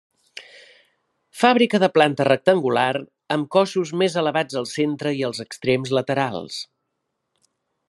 Fàbrica de planta rectangular amb cossos més elevats al centre i als extrems laterals.